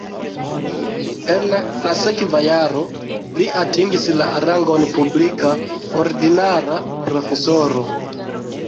En la sekva jaro li atingis la rangon publika ordinara profesoro.